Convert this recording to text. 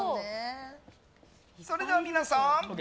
それでは皆さん。